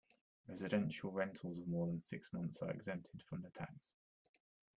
Residential rentals of more than six months are exempted from the tax.